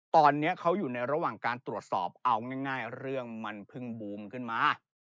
ตอนนี้เขาอยู่ในระหว่างการตรวจสอบเอาง่ายเรื่องมันเพิ่งบูมขึ้นมา